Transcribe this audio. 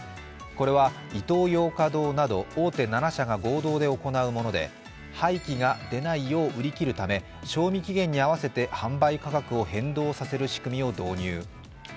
これはイトーヨーカ堂など大手７社が合同で行うもので廃棄が出ないよう売り切るため賞味期限に合わせて販売価格を変動させる仕組みを導入。